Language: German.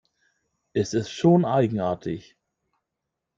Es ist schon eigenartig.